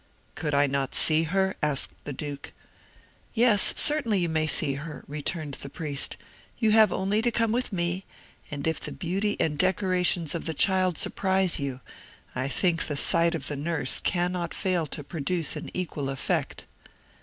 "Could I not see her?" asked the Duke. "Yes, certainly you may see her," returned the priest. "You have only to come with me; and if the beauty and decorations of the child surprise you, I think the sight of the nurse cannot fail to produce an equal effect."